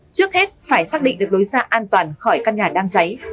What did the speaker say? trước hết phải xác định được lối xa an toàn khỏi căn nhà đang cháy